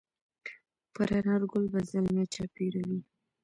پر انارګل به زلمي چاپېروي